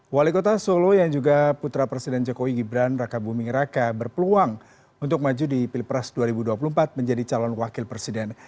wali kota solo yang juga putra presiden jokowi gibran raka buming raka berpeluang untuk maju di pilpres dua ribu dua puluh empat menjadi calon wakil presiden